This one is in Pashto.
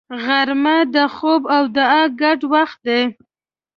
غرمه د خوب او دعا ګډ وخت دی